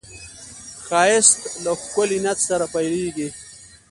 ښایست له ښکلي نیت سره پیلېږي